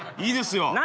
いいですよ。